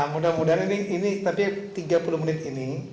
mudah mudahan ini tapi tiga puluh menit ini